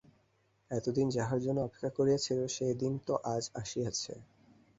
এতদিন যাহার জন্য অপেক্ষা করিয়াছিল, সে দিন তো আজ আসিয়াছে।